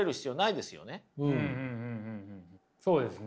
そうですね。